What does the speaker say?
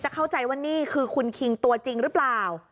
เข้าใจว่านี่คือคุณคิงตัวจริงหรือเปล่า